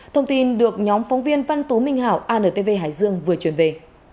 thông tin được nhóm phóng viên văn tố minh hảo antv hải dương vừa chuyển về